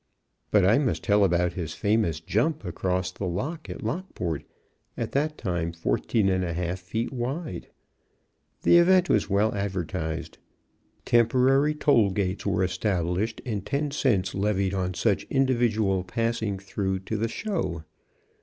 But I must tell about his famous jump across the Lock at Lockport, at that time 14 1/2 feet wide. The event was well advertised. Temporary toll gates were established, and ten cents levied on such individual passing through to the "show."